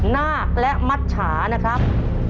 นาคและมัชฉานะครับ